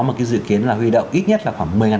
một cái dự kiến là huy động ít nhất là khoảng